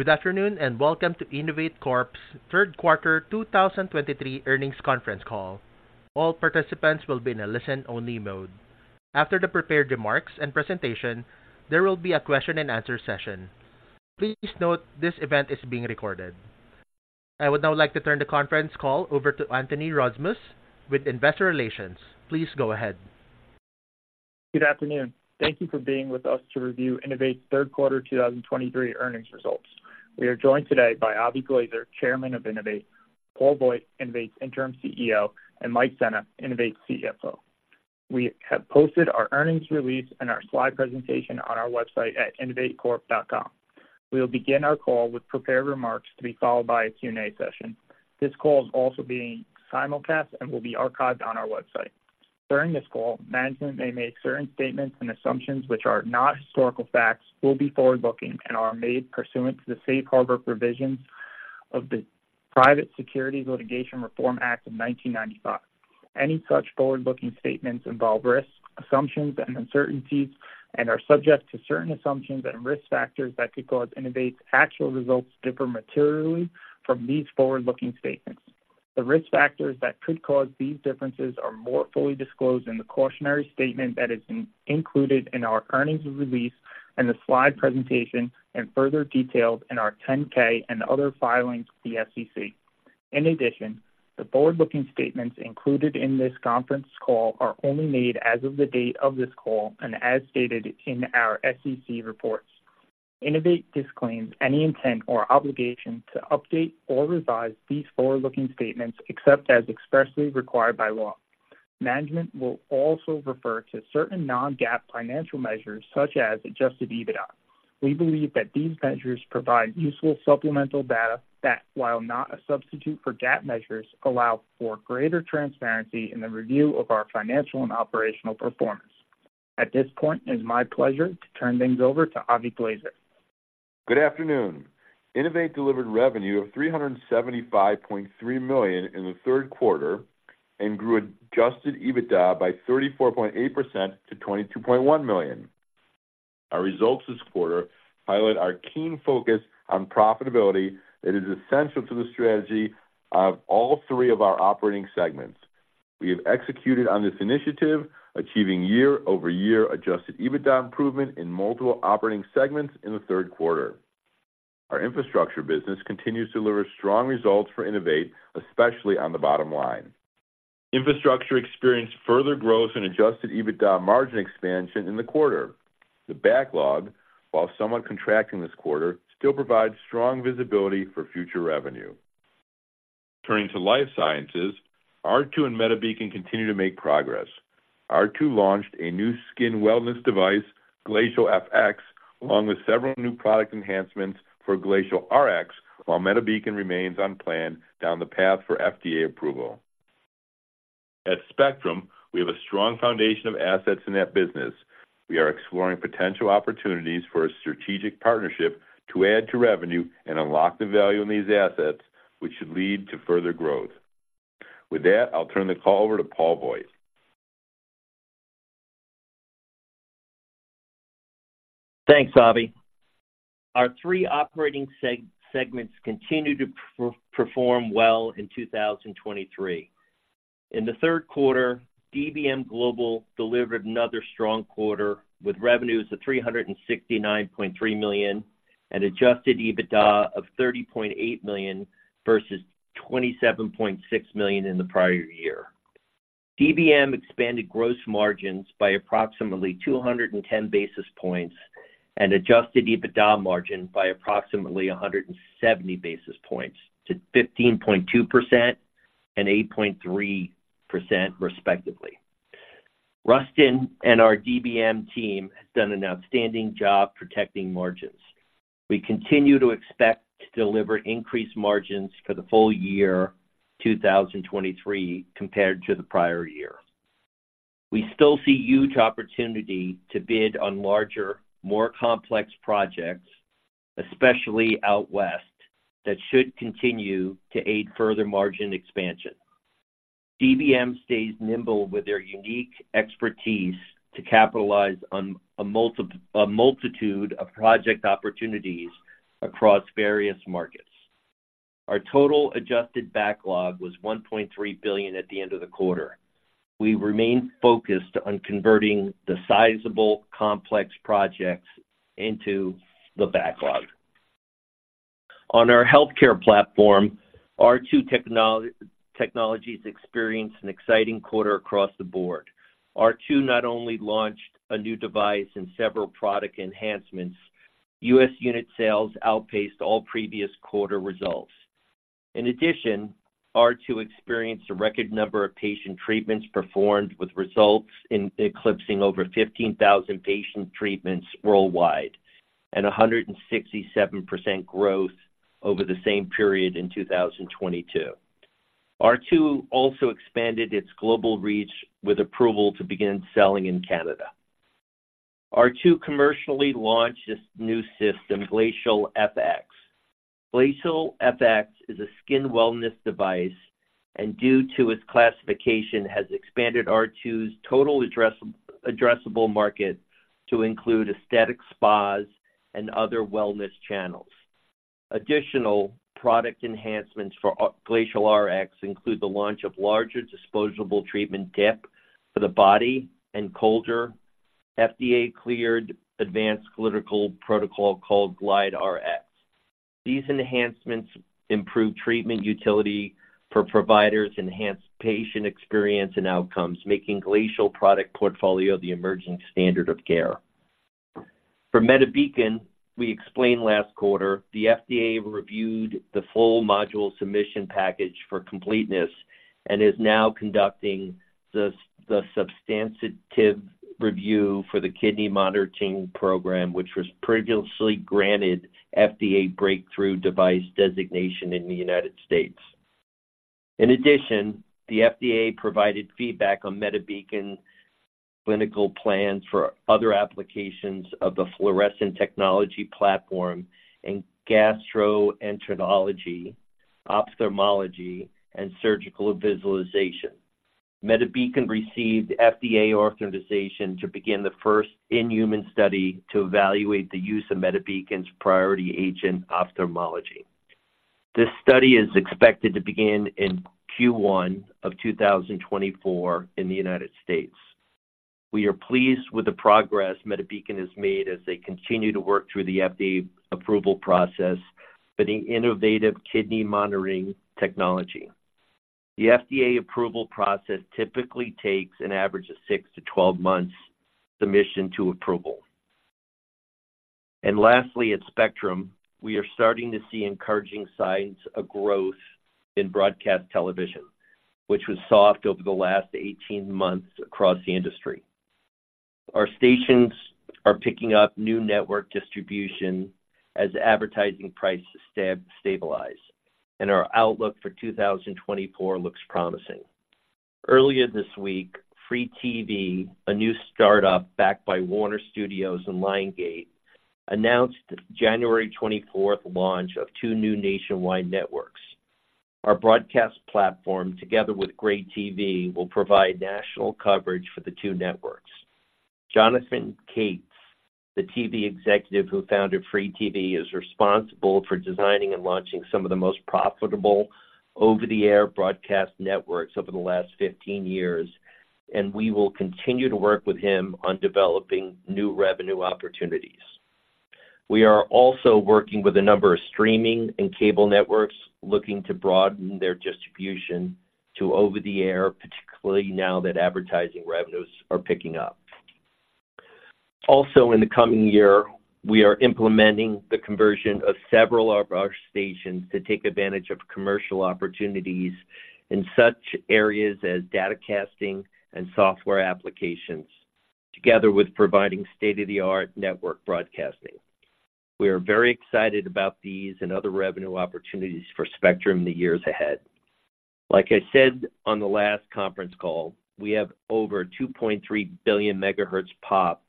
Good afternoon, and welcome to INNOVATE Corp.'s third quarter 2023 earnings conference call. All participants will be in a listen-only mode. After the prepared remarks and presentation, there will be a question-and-answer session. Please note this event is being recorded. I would now like to turn the conference call over to Anthony Rozmus with Investor Relations. Please go ahead. Good afternoon. Thank you for being with us to review INNOVATE's third quarter 2023 earnings results. We are joined today by Avie Glazer, Chairman of INNOVATE, Paul Voigt, INNOVATE's Interim CEO, and Mike Sena, INNOVATE's CFO. We have posted our earnings release and our slide presentation on our website at innovatecorp.com. We will begin our call with prepared remarks to be followed by a Q&A session. This call is also being simulcast and will be archived on our website. During this call, management may make certain statements and assumptions which are not historical facts, will be forward-looking, and are made pursuant to the Safe Harbor Provisions of the Private Securities Litigation Reform Act of 1995. Any such forward-looking statements involve risks, assumptions, and uncertainties and are subject to certain assumptions and risk factors that could cause INNOVATE's actual results to differ materially from these forward-looking statements. The risk factors that could cause these differences are more fully disclosed in the cautionary statement that is included in our earnings release and the slide presentation, and further detailed in our 10-K and other filings with the SEC. In addition, the forward-looking statements included in this conference call are only made as of the date of this call and as stated in our SEC reports. INNOVATE disclaims any intent or obligation to update or revise these forward-looking statements, except as expressly required by law. Management will also refer to certain non-GAAP financial measures, such as Adjusted EBITDA. We believe that these measures provide useful supplemental data that, while not a substitute for GAAP measures, allow for greater transparency in the review of our financial and operational performance. At this point, it is my pleasure to turn things over to Avie Glazer. Good afternoon. INNOVATE delivered revenue of $375.3 million in the third quarter and grew Adjusted EBITDA by 34.8% to $22.1 million. Our results this quarter highlight our keen focus on profitability that is essential to the strategy of all three of our operating segments. We have executed on this initiative, achieving year-over-year Adjusted EBITDA improvement in multiple operating segments in the third quarter. Our infrastructure business continues to deliver strong results for INNOVATE, especially on the bottom line. Infrastructure experienced further growth and Adjusted EBITDA margin expansion in the quarter. The backlog, while somewhat contracting this quarter, still provides strong visibility for future revenue. Turning to Life Sciences, R2 and MediBeacon continue to make progress. R2 launched a new skin wellness device, Glacial FX, along with several new product enhancements for Glacial Rx, while MediBeacon remains on plan down the path for FDA approval. At Spectrum, we have a strong foundation of assets in that business. We are exploring potential opportunities for a strategic partnership to add to revenue and unlock the value in these assets, which should lead to further growth. With that, I'll turn the call over to Paul Voigt. Thanks, Avi. Our three operating segments continued to perform well in 2023. In the third quarter, DBM Global delivered another strong quarter, with revenues of $369.3 million and adjusted EBITDA of $30.8 million versus $27.6 million in the prior year. DBM expanded gross margins by approximately 210 basis points and adjusted EBITDA margin by approximately 170 basis points to 15.2% and 8.3%, respectively. Rustin and our DBM team has done an outstanding job protecting margins. We continue to expect to deliver increased margins for the full year 2023 compared to the prior year. We still see huge opportunity to bid on larger, more complex projects, especially out west, that should continue to aid further margin expansion. DBM stays nimble with their unique expertise to capitalize on a multitude of project opportunities across various markets. Our total adjusted backlog was $1.3 billion at the end of the quarter. We remain focused on converting the sizable, complex projects into the backlog. On our healthcare platform, R2 Technologies experienced an exciting quarter across the board. R2 not only launched a new device and several product enhancements, US unit sales outpaced all previous quarter results. In addition, R2 experienced a record number of patient treatments performed, with results in eclipsing over 15,000 patient treatments worldwide and 167% growth over the same period in 2022. R2 also expanded its global reach with approval to begin selling in Canada. R2 commercially launched its new system, Glacial FX is a skin wellness device, and due to its classification, has expanded R2's total addressable market to include aesthetic spas and other wellness channels. Additional product enhancements for Glacial Rx include the launch of larger disposable treatment tip for the body and colder, FDA-cleared advanced clinical protocol called GlideRx. These enhancements improve treatment utility for providers, enhance patient experience and outcomes, making Glacial product portfolio the emerging standard of care. For MediBeacon, we explained last quarter, the FDA reviewed the full module submission package for completeness and is now conducting the substantive review for the kidney monitoring program, which was previously granted FDA Breakthrough Device designation in the United States. In addition, the FDA provided feedback on MediBeacon clinical plans for other applications of the fluorescent technology platform in gastroenterology, ophthalmology, and surgical visualization. MediBeacon received FDA authorization to begin the first in-human study to evaluate the use of MediBeacon's proprietary agent, ophthalmology. This study is expected to begin in Q1 of 2024 in the United States. We are pleased with the progress MediBeacon has made as they continue to work through the FDA approval process for the innovative kidney monitoring technology. The FDA approval process typically takes an average of six to 12 months, submission to approval. Lastly, at Spectrum, we are starting to see encouraging signs of growth in broadcast television, which was soft over the last 18 months across the industry. Our stations are picking up new network distribution as advertising prices stabilize, and our outlook for 2024 looks promising. Earlier this week, Free TV, a new startup backed by Warner Studios and Lionsgate, announced January twenty-fourth launch of two new nationwide networks. Our broadcast platform, together with Gray TV, will provide national coverage for the two networks. Jonathan Katz, the TV executive who founded Free TV is responsible for designing and launching some of the most profitable over-the-air broadcast networks over the last 15 years, and we will continue to work with him on developing new revenue opportunities. We are also working with a number of streaming and cable networks looking to broaden their distribution to over-the-air, particularly now that advertising revenues are picking up. Also, in the coming year, we are implementing the conversion of several of our stations to take advantage of commercial opportunities in such areas as data casting and software applications, together with providing state-of-the-art network broadcasting. We are very excited about these and other revenue opportunities for Spectrum in the years ahead. Like I said on the last conference call, we have over 2.3 billion MHz-POPs,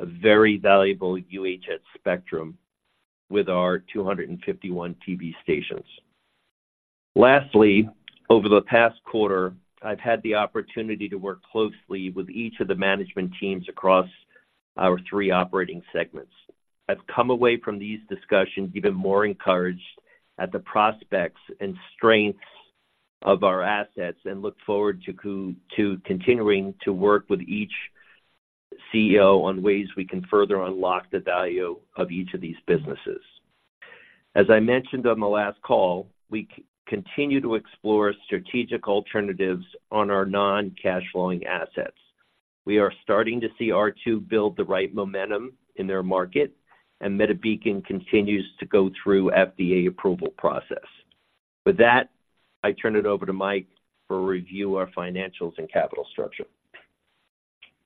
a very valuable UHF spectrum with our 251 TV stations. Lastly, over the past quarter, I've had the opportunity to work closely with each of the management teams across our three operating segments. I've come away from these discussions even more encouraged at the prospects and strengths of our assets, and look forward to continuing to work with each CEO on ways we can further unlock the value of each of these businesses. As I mentioned on the last call, we continue to explore strategic alternatives on our non-cash flowing assets. We are starting to see R2 build the right momentum in their market, and MediBeacon continues to go through FDA approval process. With that, I turn it over to Mike for a review of our financials and capital structure.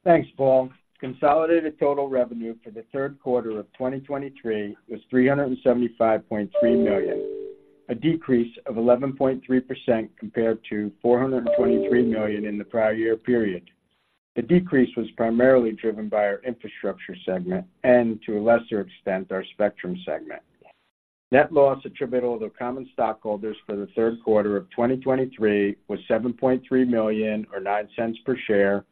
Thanks, Paul. Consolidated total revenue for the third quarter of 2023 was $375.3 million, a decrease of 11.3% compared to $423 million in the prior year period. The decrease was primarily driven by our infrastructure segment and, to a lesser extent, our spectrum segment. Net loss attributable to common stockholders for the third quarter of 2023 was $7.3 million, or $0.09 per share,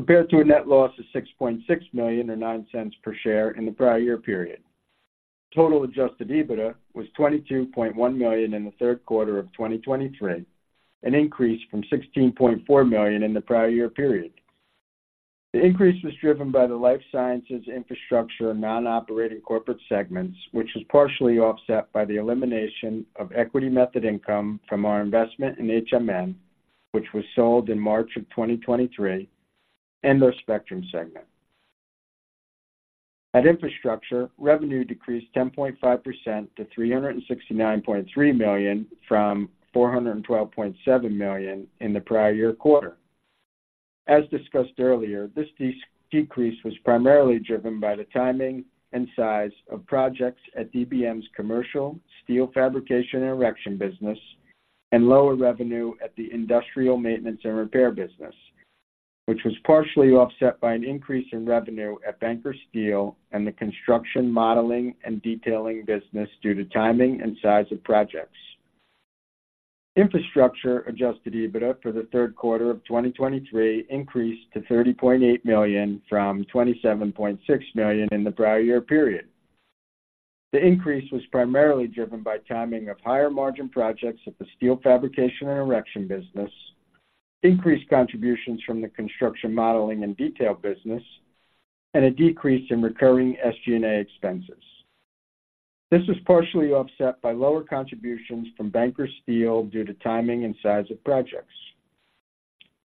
compared to a net loss of $6.6 million, or $0.09 per share in the prior year period. Total Adjusted EBITDA was $22.1 million in the third quarter of 2023, an increase from $16.4 million in the prior year period. The increase was driven by the Life Sciences, Infrastructure, and non-operating corporate segments, which was partially offset by the elimination of equity method income from our investment in HMN, which was sold in March of 2023, and our Spectrum segment. At Infrastructure, revenue decreased 10.5% to $369.3 million from $412.7 million in the prior year quarter. As discussed earlier, this decrease was primarily driven by the timing and size of projects at DBM's commercial, steel fabrication and erection business, and lower revenue at the industrial maintenance and repair business, which was partially offset by an increase in revenue at Banker Steel and the construction modeling and detailing business due to timing and size of projects. Infrastructure adjusted EBITDA for the third quarter of 2023 increased to $30.8 million from $27.6 million in the prior year period. The increase was primarily driven by timing of higher margin projects at the steel fabrication and erection business, increased contributions from the construction modeling and detail business, and a decrease in recurring SG&A expenses. This was partially offset by lower contributions from Banker Steel due to timing and size of projects.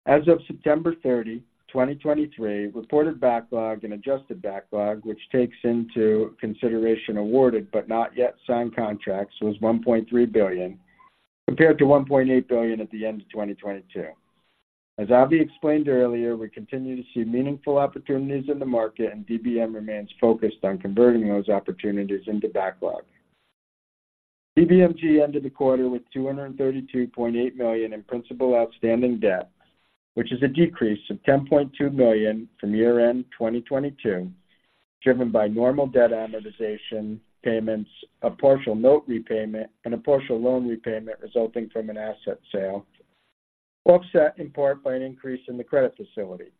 As of September 30, 2023, reported backlog and adjusted backlog, which takes into consideration awarded but not yet signed contracts, was $1.3 billion, compared to $1.8 billion at the end of 2022. As Avi explained earlier, we continue to see meaningful opportunities in the market, and DBM remains focused on converting those opportunities into backlog. DBMG ended the quarter with $232.8 million in principal outstanding debt, which is a decrease of $10.2 million from year-end 2022, driven by normal debt amortization payments, a partial note repayment, and a partial loan repayment resulting from an asset sale, offset in part by an increase in the credit facility.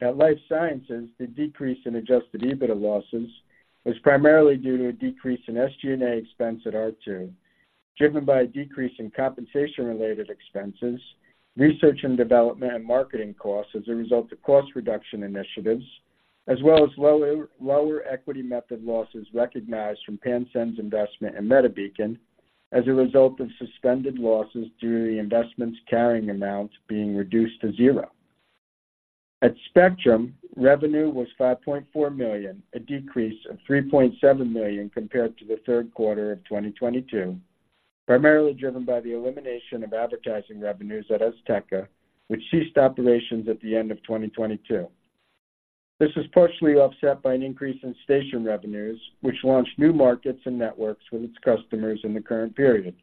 At Life Sciences, the decrease in Adjusted EBITDA losses was primarily due to a decrease in SG&A expense at R2, driven by a decrease in compensation-related expenses, research and development and marketing costs as a result of cost reduction initiatives, as well as lower equity method losses recognized from Pansend's investment in MediBeacon as a result of suspended losses due to the investment's carrying amounts being reduced to zero. At Spectrum, revenue was $5.4 million, a decrease of $3.7 million compared to the third quarter of 2022, primarily driven by the elimination of advertising revenues at Azteca, which ceased operations at the end of 2022. This was partially offset by an increase in station revenues, which launched new markets and networks with its customers in the current period.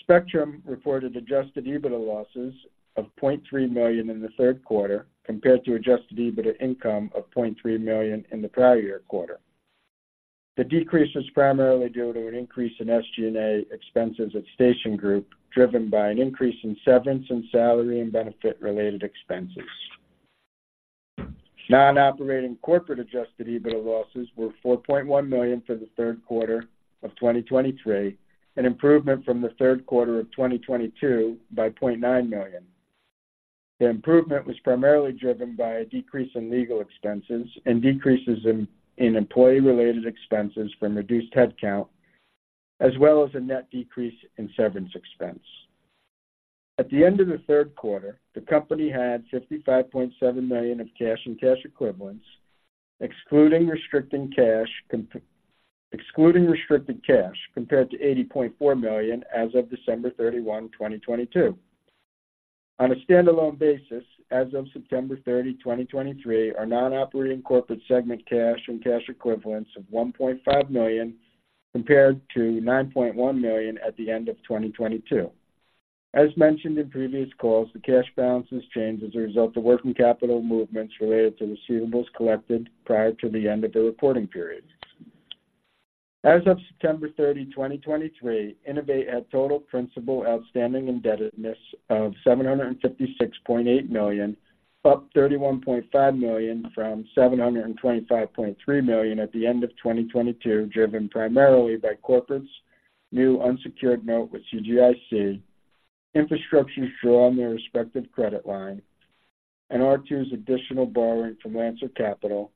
Spectrum reported adjusted EBITDA losses of $0.3 million in the third quarter, compared to adjusted EBITDA income of $0.3 million in the prior year quarter. The decrease is primarily due to an increase in SG&A expenses at Station Group, driven by an increase in severance and salary and benefit-related expenses. Non-operating corporate adjusted EBITDA losses were $4.1 million for the third quarter of 2023, an improvement from the third quarter of 2022 by $0.9 million. The improvement was primarily driven by a decrease in legal expenses and decreases in employee-related expenses from reduced headcount, as well as a net decrease in severance expense. At the end of the third quarter, the company had $55.7 million of cash and cash equivalents, excluding restricted cash, compared to $80.4 million as of December 31, 2022. On a standalone basis, as of September 30, 2023, our non-operating corporate segment cash and cash equivalents of $1.5 million, compared to $9.1 million at the end of 2022. As mentioned in previous calls, the cash balances change as a result of working capital movements related to receivables collected prior to the end of the reporting period. As of September 30, 2023, INNOVATE had total principal outstanding indebtedness of $756.8 million, up $31.5 million from $725.3 million at the end of 2022, driven primarily by corporate's new unsecured note with CGIC, Infrastructure's draw on their respective credit line, and R2's additional borrowing from Lancer Capital,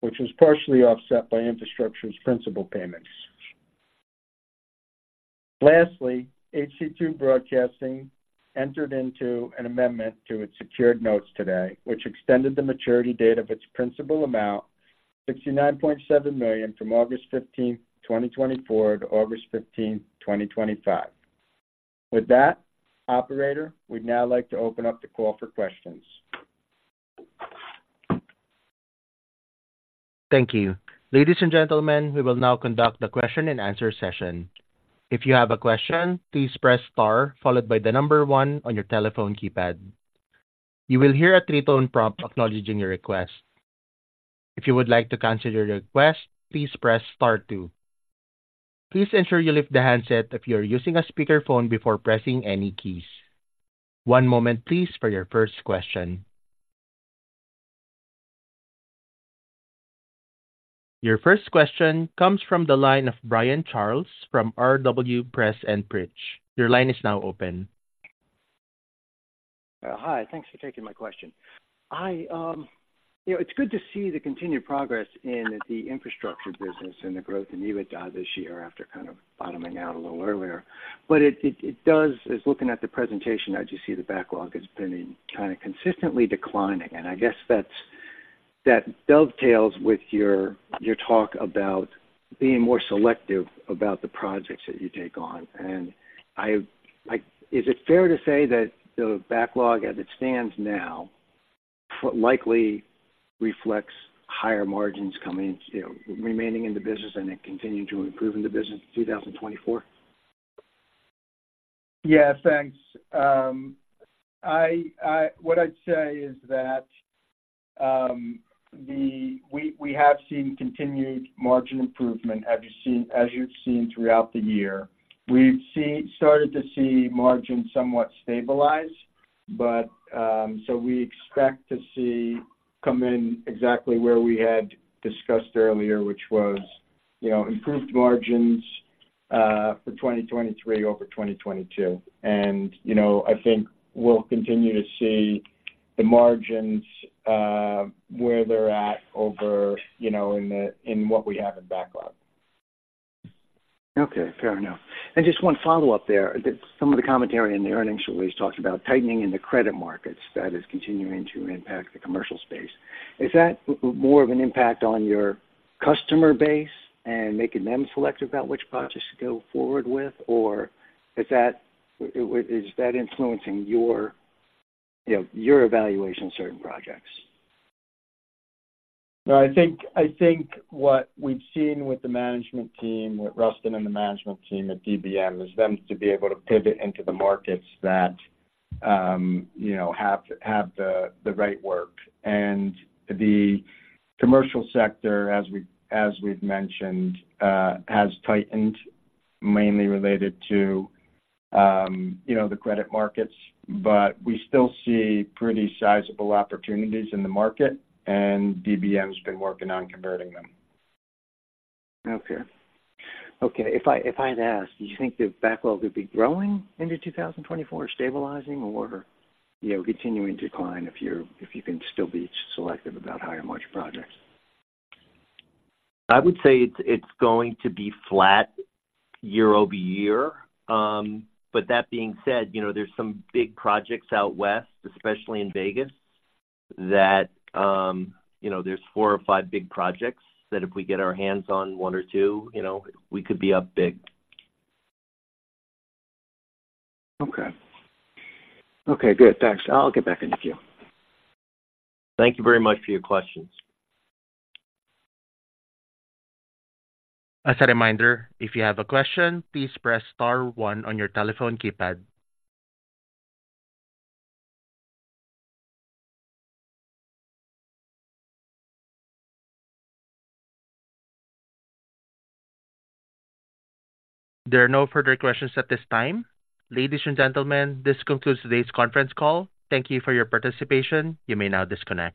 which was partially offset by Infrastructure's principal payments. Lastly, HC2 Broadcasting entered into an amendment to its secured notes today, which extended the maturity date of its principal amount, $69.7 million, from August 15th, 2024, to August 15th, 2025. With that, operator, we'd now like to open up the call for questions. Thank you. Ladies and gentlemen, we will now conduct the question-and-answer session. If you have a question, please press star, followed by the number one on your telephone keypad. You will hear a three-tone prompt acknowledging your request. If you would like to cancel your request, please press star two. Please ensure you lift the handset if you are using a speakerphone before pressing any keys. One moment, please, for your first question. Your first question comes from the line of Brian Charles from R.W. Pressprich. Your line is now open. Hi, thanks for taking my question. I, you know, it's good to see the continued progress in the infrastructure business and the growth in EBITDA this year after kind of bottoming out a little earlier. But it does, as looking at the presentation, I just see the backlog has been, kind of, consistently declining, and I guess that's, that dovetails with your, your talk about being more selective about the projects that you take on. And I, like, is it fair to say that the backlog as it stands now, likely reflects higher margins coming, you know, remaining in the business and then continuing to improve in the business in 2024? Yeah, thanks. I, what I'd say is that, the, we have seen continued margin improvement, as you've seen, as you've seen throughout the year. We've started to see margins somewhat stabilize, but, so we expect to see come in exactly where we had discussed earlier, which was, you know, improved margins, for 2023 over 2022. And, you know, I think we'll continue to see the margins, where they're at over, you know, in the, in what we have in backlog. Okay, fair enough. And just one follow-up there. Some of the commentary in the earnings release talks about tightening in the credit markets that is continuing to impact the commercial space. Is that more of an impact on your customer base and making them selective about which projects to go forward with? Or is that, is that influencing your, you know, your evaluation of certain projects? No, I think, I think what we've seen with the management team, with Rustin and the management team at DBM, is them to be able to pivot into the markets that, you know, have the right work. And the commercial sector, as we've mentioned, has tightened, mainly related to, you know, the credit markets. But we still see pretty sizable opportunities in the market, and DBM's been working on converting them. Okay. Okay, if I'd ask, do you think the backlog would be growing into 2024, stabilizing, or, you know, continuing to decline if you can still be selective about higher-margin projects? I would say it's going to be flat year-over-year. But that being said, you know, there's some big projects out west, especially in Vegas, that, you know, there's four or five big projects that if we get our hands on one or two, you know, we could be up big. Okay. Okay, good. Thanks. I'll get back to you. Thank you very much for your questions. As a reminder, if you have a question, please press star one on your telephone keypad. There are no further questions at this time. Ladies and gentlemen, this concludes today's conference call. Thank you for your participation. You may now disconnect.